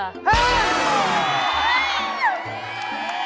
เฮ่ย